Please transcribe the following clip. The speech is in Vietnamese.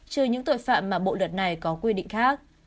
trừ những tội phạm mà bộ luật này có quy định khác